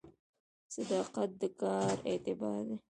صداقت د کار اعتبار دی